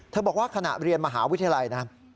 เธอบอกว่าขณะเรียนมหาวิทยาลัยนะครับ